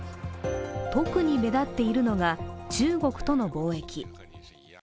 特に目立っているのが中国との貿易。